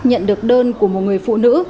nhận được đơn của một người phụ nữ